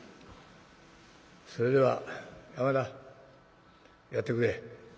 それでは山田やってくれ」。